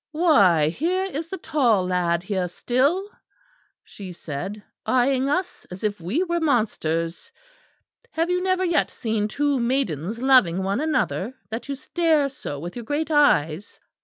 "Why, here is the tall lad here still," she said, "eyeing us as if we were monsters. Have you never yet seen two maidens loving one another, that you stare so with your great eyes?